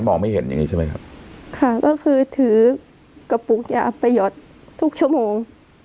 ไม่เห็นอย่างงี้ใช่ไหมครับค่ะก็คือถือกระปุกยาประหยอดทุกชั่วโมง